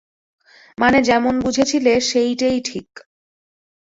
মানে যেমন বুঝেছিলে সেইটেই ঠিক।